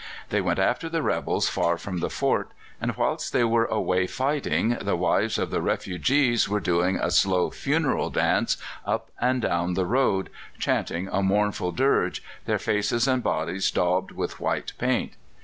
They went after the rebels far from the fort, and whilst they were away fighting, the wives of the refugees were doing a slow funeral dance up and down the road, chanting a mournful dirge, their faces and bodies daubed with white paint.